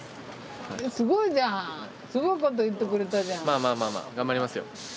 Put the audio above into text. まあまあまあまあ頑張りますよ。